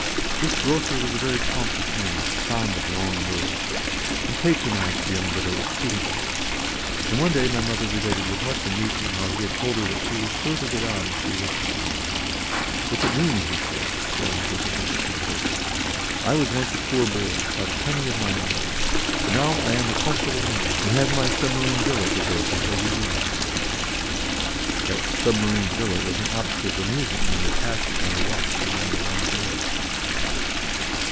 This grocer was a very pompous man, fond of long words, and patronised the young widow exceedingly, and one day my mother related with much amusement how he had told her that she was sure to get on if she worked hard. "Look at me!" he said, swelling visibly with importance; "I was once a poor boy, without a penny of my own, and now I am a comfortable man, and have my submarine villa to go to every evening." That "submarine villa" was an object of amusement when we passed it in our walks for many a long day.